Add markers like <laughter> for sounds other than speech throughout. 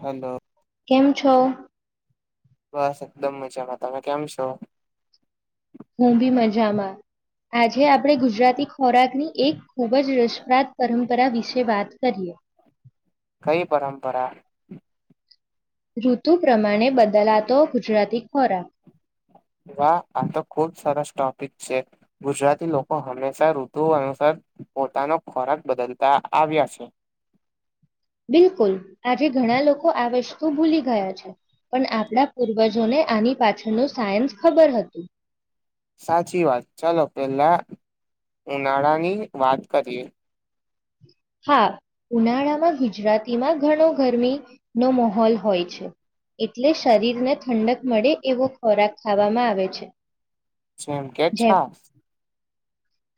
Hello કેમ છો. બસ એકદમ મજામાં તમે કેમ છો હુબી મજામાં આજે આપણે ગુજરાતી ખોરાકની એક ખુબ જ રસપ્રદ પરુ પરા વિશે વાત કરીએ. કઈ પરંપરા ઋતુ પ્રમાણે બદલાતો ગુજરાતી ખોરાક વા આ તો ખૂબ સરસ ટોપિક છે ગુજરાતી લોકો હંમેશા ઋતુ અનુસાર પોતાનો ખોરાક બદલતા આવ્યા છે. બિલકુલ આજે ઘણા લોકો આ વસ્તુ ભૂલી ગયા છે પણ આપણા પૂર્વજોને આની પાછળનું સાયન્સ ખબર હતું. સાચી વાત ચાલો પેલા ઉનાળા ની વાત કરીએ હા ઉનાળામાં ગુજરાતીમાં ઘણો ગરમી નો માહોલ હોય છે એટલે શરીરને ઠંડક મળે એવો ખોરાક ખાવામાં આવે છે. જેમ કેક જેમ છાશ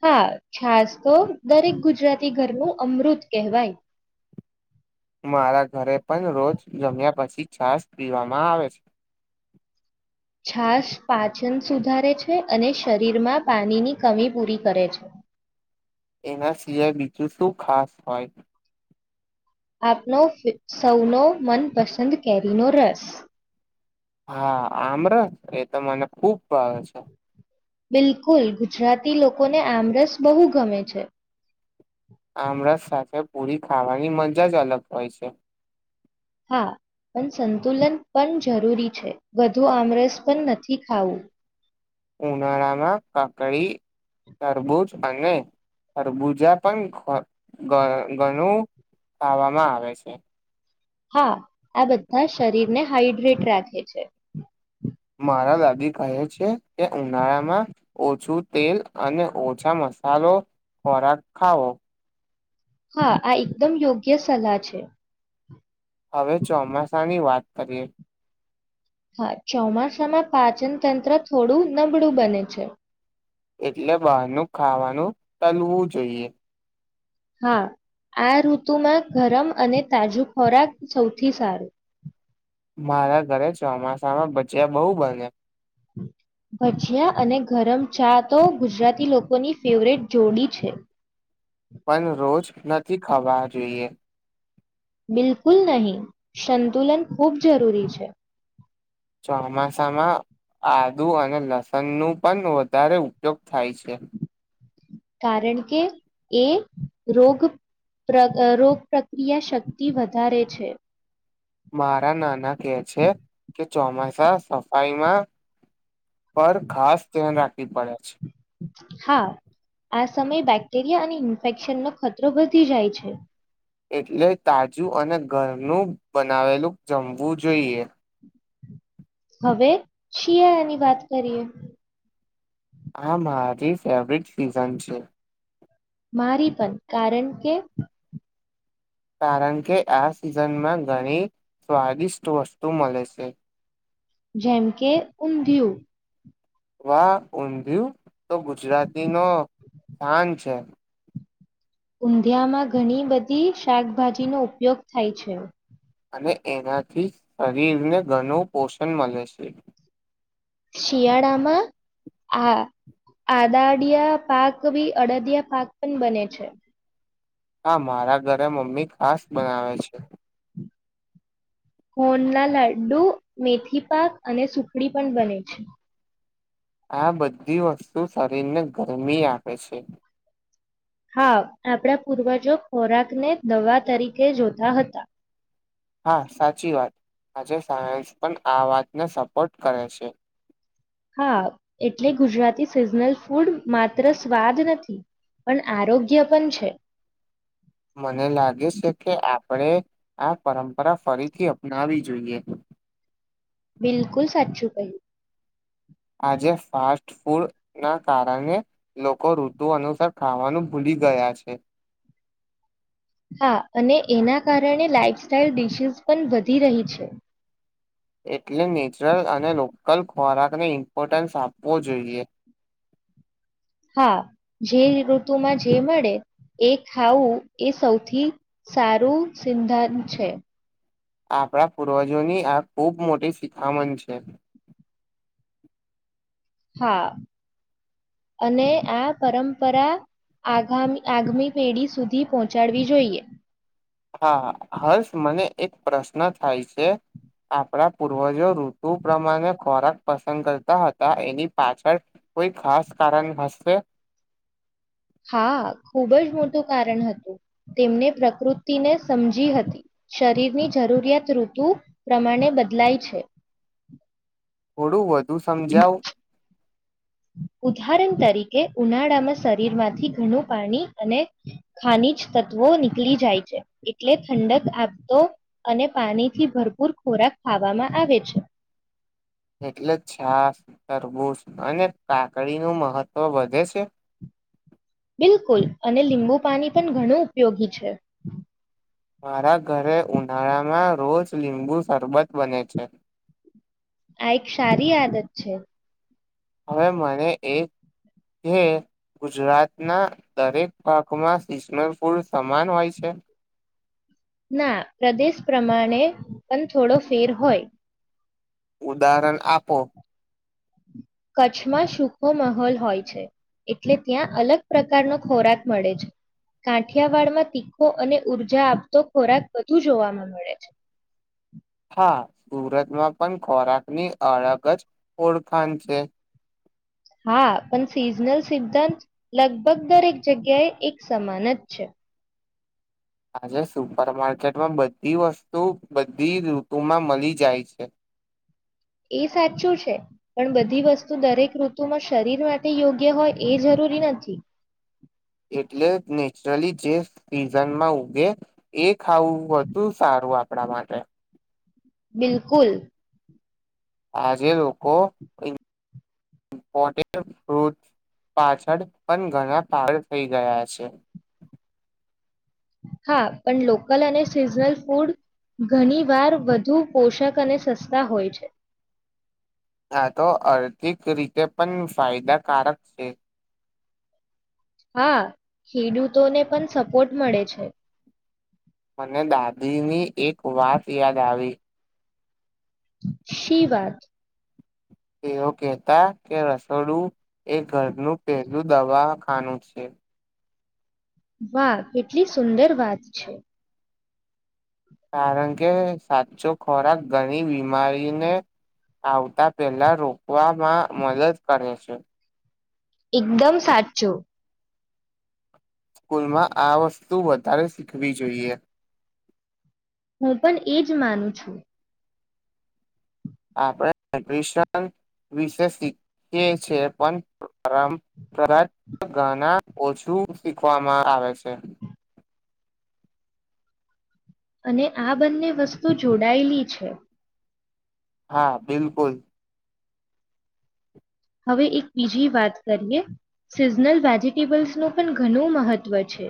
હા છાસ તો દરેક ગુજરાતી ઘરનું અમૃત કહેવાય. મારા ઘરે પણ રોજ જમ્યા પછી છાાસ પીવામાં આવે છે. છાસ પાચન સુધારે છે અને શરીરમાં પાણીની કમી પૂરી કરે છે. એના શિવાય બીજું શું ખાસ હોય? આપનો સૌનો મનપસંદ કેરીનો રસ હા આમરસ એ તો મને ખુબ ભાવે છે. બિલકુલ ગુજરાતી લોકોને આમરસ બહુ ગમે છે. આમળસ સાથે પૂરી ખાવાની મજા જ અલગ હોય છે. હા પણ સંતુલન પણ જરૂરી છે વધુ આમરસ પણ નથી ખાવું ઉનાળામાં કકડી તરબૂજ અને ખરબુજા પણ ગણું ખાવામાં આવે છે. હા આ બધા શરીરને હાઈડ્રેટ રાખે છે. તે ઉનાળામાં ઓછું તેલ અને ઓછા મસાલો ખોરાક ખાવો હા આ એકદમ યોગ્ય સલાહ છે. હવે ચોમાસા ની વાત તરી એ હા, ચોમાસામાં પાચન તંત્ર થોડું નબળું બને છે. એટલે બહારનું ખાવાનું, તલવું જોઈએ. હા, આ ઋતુમાં ગરમ, અને તાજો ખોરાક સૌથી સારો મારા ઘરે ચોમાસામાં બચિયા બહુ, બને્યા ભજીયા અને ગરમ ચા તો ગુજરાતી લોકોની ફેવરેટ જોડી છે. પણ રોજ નથી, ખાવા જોઈએ બિલકુલ નહીં, સંતુલન ખૂબ જરૂરી છે ચોમાસામાં આદુ અને લસણનુ પણ વધારે, ઉપયોગ થાય છે. કારણ કે, એ રોગ, રોગ પ્રક્રિયા શક્તિ વધારે છે. મારા, નાના કે છે કે ચોમાસા સફાઈમા પર ખાસ ધ્યાન રાખવી પડે છે. હા આ સમયે બેક્ટેરિયા અને ઇન્ફેક્શનનો ખતરો વધી જાય છે. એટલે તાજું, અને ઘરનું બનાવેલું જમવું જોઈએ હવે, શિયાળાની વાત કરીએ. આ મારી ફેવરિટ સીઝન છે. મારી પણ કારણ કે કારણ કે, આ સિઝનમાં ઘણી સ્વાદિષ્ટ વસ્તુ મળે છે. જેમ કે ઊંધિયું. વા ઊંધયું, તો ગુજરાતી ન સ્થાન છે. ઊંધિયામાં ઘણી, બધી શાકભાજીનોો ઉપયોગ થાય છે અને એનાથી શરીરને ઘણું પોષણ મળે છે. શિયાળામા આ આદાડિયા પાક, બ અડદિયા પાક પણ બને છે. હા, મારા ઘરે મમ્મી ખાસ બનાવે છે. હોન, ના લાડ્ડુ મેથી પાક અને સુખડી પણ બને છે. આ બધી વસ્તુ શરીરને ગરમી, આપે છે. હાવ, આપણા પૂર્વજો ખોરાકને દવા તરીકે જોતા હતા. હા, સાચી વાત આજે સાયન્સ, પણ આ વાતને સપોર્ટ કરે છે. હા, એટલે ગુજરાતી સિઝનલ ફૂડ માત્ર સ્વાદ નથી, પણ આરોગ્ય પણ છે. મને લાગે છે, કે આપ આપણે, આ પરંપરા ફરીથી અપનાવી જોઈએ બિલકુલ સાચ પયું. આજે ફાસ્ટ ફૂડના, કારણે લોકો ઋતુ અનુસાર ખાવાનું ભૂલી ગયા છે. હા, અને એના કારણે લાાઈફસ્ટાાઈલ ડિશિઝ પણ વધી રહી છે. એટલે નેચરલ, અને લોકલ ખોરાકને ઇમ્પોર્ટન્સ આપવો જોઈએ. હા, જે ઋતુમાં જે, મળે એ ખાવું એ સૌથી સારું સિદ્ધાંત છે. આપણા પૂર્વજોની, આ ખૂબ મોટી શિખામણ છે. હા, અને આ પરંપરા આગામી આગામી પેઢી સુધી પહોંચાડવી જોઈએ. હા, હર્ષ મને એક પ્રશ્ન થાય છે, આપણા પૂર્વજો ઋતુ પ્રમાણે ખોરાક પસંદ કરતા હતા, એની પાછળ કોઈ ખાસ કારણ હશે. હા, ખૂબજ મોટું કારણ હતું, તેમને પ્રકૃતિને સમજી હતી, શરીરની જરૂરિયાત ઋતુ પ્રમાણે બદલાય છે. હોડું <unintelligible> તું સમજાાવ. ઉદાહરણ તરીકે ઉનાળામાં શરીરમાંથી ઘણું પાણી અને ખનીજ તત્વો નીકળી જાય છે, એટલે ઠંડક આવતો અને પાણીથી ભરપૂર ખોરાક ખાવામાં આવે છે. એટલે છાસ તરબૂશ, અને કાકડીનું મહત્વ વધે છે. બિલકુલ, અને લીંબુ પાણી પણ ઘણું ઉપયોગી છે. મારા ઘરે ઉનાળામાં રોજ લીંબુ, શરબત બને છે. આ એક સારી આદત છે. હવે મને એક છે ગુજરાતના દરેક ભાગમાં સિશમ ફૂલ સમાન હોય છે. ના પ્રદેશ પ્રમાણે પણ થોડો ફેર હોય. ઉદાહરણ આપો. કચ્છમાં સુૂખો માહોલ હોય છે. એટલે ત્યાં અલગ પ્રકારનો ખોરાક મળે છે, કાંઠિયાવાડમાં તીખો અને ઉઊર્જા આપતો ખોરાક વધુ જોવામાં મળે છે. હા, સુરતમાં પણ ખોરાકની અળગ જ ઓળખાણ છે. હા, પણ સિઝનલ સિદ્ધાંત લગભગ દરેક જગ્યાએ એક સમાન જ છે. આજે સુપર માર્કેટમાં બધી વસ્તુ બધી ઋતુમાં મળી જાય છે. એ સાચું છે. પણ બધી વસ્તુ દરેક ઋતુમાં શરીર માટે યોગ્ય હોય એ જરૂરી નથી. એટલે નેચરલી જે સીઝનમાં ઊગે એ ખાવું વધુ સારું આપણા માટે. બિલકુલ. આજે લોકો ઇપોટેડ ફૂડ પાછળ પણ ઘણા પાગલ થઈ ગયા છે. હા, પણ લોકલ અને સિઝનલ ફૂડ ઘણી વાર વધુ પોષક અને સસ્તા હોય છે. આ તો આર્થિક રીતે પણ ફાયદાકારક છે. હા, ખેડૂતોને પણ સપોર્ટ મળે છે. મને દાદીની એક વાત યાદ આવી. શી વાત? તેઓ કેતા કે રસોડું એ ઘરનું પહેલું દવા ખાનુ છે. વાહ, કેટલી સુંદર વાત છે. કારણ કે સાચો ખોરાક ઘણી બીમારીને આવતા પહેલા રોકવામાં મદદ કરે છે. એકદમ સાચું. સ્કૂલમાં આ વસ્તુ વધારે શીખવી જોઈએ. હું પણ એ જ માનું છું. આપણે ન્યુટ્રિશન વિશે શીખીએ છે પણ <inaudible> પરાગ ગના ઓછું શીખવામાં આવે છે. અને આ બંને વસ્તુ જોડાયેલી છે. હા બિલકુલ. હવે એક બીજી વાત કરીએ સિઝનલ વેજિટેબલ્સનું પણ ઘણું મહત્વ છે.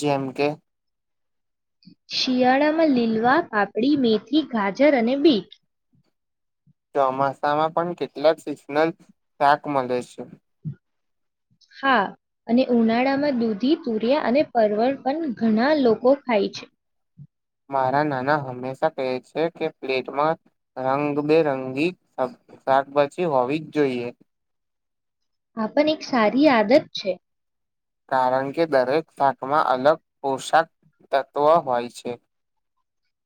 જેમ કે શિયાળામાં લીલવા. પાપડી. મેથી. ગાજર અને બીટ. ધાણા પણ કેટલાક સિઝનલ શાક મળે છે. હા અને ઉનાળામાં દૂધી, તુરિયા અને પરવર પણ ઘણા લોકો ખાય છે. મારા નાના હંમેશા કહે છે કે પ્લેટમાં રંગબેરંગી શાક શાકભાજી હોવી જ જોઈએ. આપણ એક સારી આદત છે. કારણ કે દરેક શાકમાં અલગ પોશાક તત્વો હોય છે.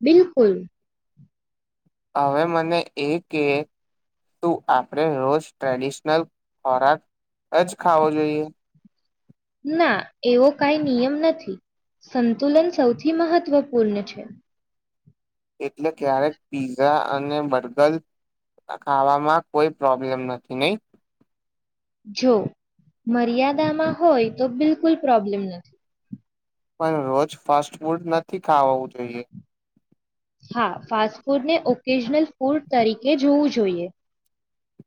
બિલકુલ. હવે મને એ કે તું આપણે રોજ ટ્રેડિશનલ ખોરાક જ ખાવો જોઈએ? ના એવો કાઈ નિયમ નથી. સંતુલન સૌથી મહત્વપૂર્ણ છે. એટલે ક્યારેક પીઝા અને બર્ગર ખાવામાં કોઈ પ્રોબ્લેમ નથી. નહી? જો મર્યાદામાં હોય તો બિલકુલ પ્રોબ્લેમ નથી. પણ રોજ ફાસ્ટ ફૂડ નથી ખાવાવું જોઈએ. હા, ફાસ્ટ ફૂડને ઓકેજનલ ફૂડ તરીકે જોવું જોઈએ.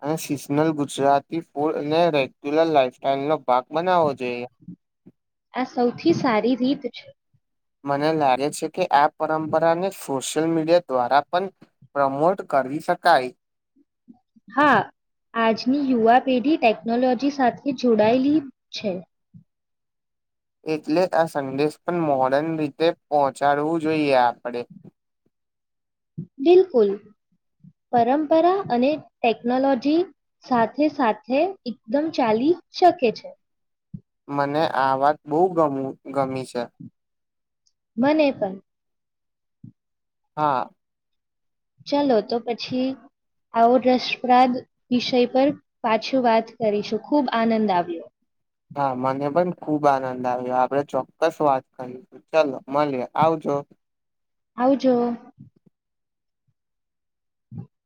અને સિઝનલ ગુજરાતી ફૂડ અને રેગ્યુલર લાઈફસ્ટાઈલનો ભાગ બનાવવો જોઈએ. આ સૌથી સારી રીત છે. મને લાગે છે કે આ પરંપરાને સોશિયલ મીડિયા દ્વારા પણ પ્રમોટ કરી શકાય. હા આજની યુવા પેઢી ટેકનોલોજી સાથે જોડાયેલી છે. એટલે આ સંદેશ પણ મોડન રીતે પહોંચાડવું જોઈએ આપણે બિલકુલ પરંપરા અને ટેકનોલોજી સાથે સાથે એકદમ ચાલી શકે છે. મને આ વાત બહુ ગમી છે. મને પણ હા. ચાલો તો પછી આવો રસપ્રાદ વિષય પર પાછું વાત કરીશું ખુબ આનંદ આવ્યો હા મને પણ ખુબ આનંદ આવ્યો આપડે ચોક્કસ વાત કરીશું ચલો મળએ આવજો. આવજો. <inaudible>